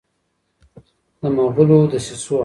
د مغولو دسیسو